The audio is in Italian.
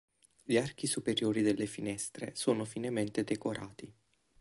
Gli archi superiori delle finestre sono finemente decorati.